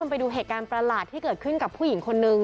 ไปดูเหตุการณ์ประหลาดที่เกิดขึ้นกับผู้หญิงคนนึง